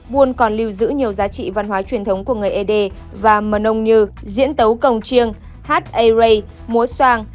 buôn còn lưu giữ nhiều giá trị văn hóa truyền thống của người ế đê và mờ nông như diễn tấu còng chiêng hát a ray múa soang